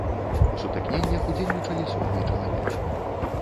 У сутыкненнях удзельнічалі сотні чалавек.